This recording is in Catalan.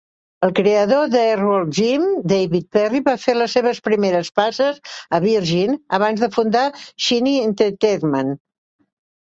El creador d'"Earthworm Jim", David Perry, va fer les seves primeres passes a Virgin abans de fundar Shiny Entertainment.